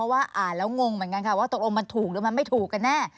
ว่าอ่านแล้วงงเหมือนกันค่ะว่าตกลงมันถูกหรือมันไม่ถูกกันแน่